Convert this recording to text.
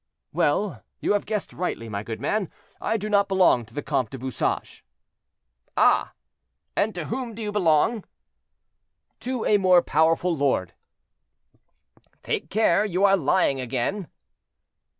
"Well, you have guessed rightly, my good man; I do not belong to the Comte du Bouchage." "Ah! and to whom do you belong?" "To a more powerful lord." "Take care; you are lying again."